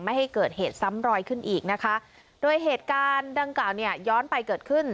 ไม่ให้เกิดเหตุซ้ำรอยขึ้นอีกนะคะโดยเหตุการณ์ดังกล่าวเนี่ยย้อนไปเกิดขึ้น